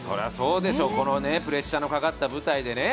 このプレッシャーのかかった舞台ですね。